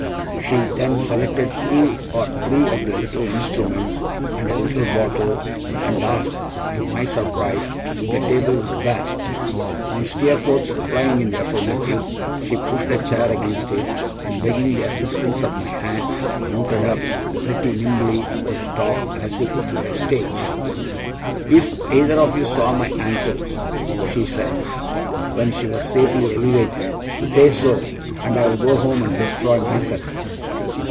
She then selected two or three of the little instruments, and a little bottle, and asked (to my surprise) if the table would bear. On Steerforth's replying in the affirmative, she pushed a chair against it, and begging the assistance of my hand, mounted up, pretty nimbly, to the top, as if it were a stage. 'If either of you saw my ankles,' she said, when she was safely elevated, 'say so, and I'll go home and destroy myself!